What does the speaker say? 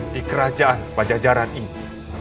di kerajaan pajajaran ini